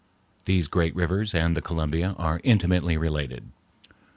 These great rivers and the Columbia are intimately related.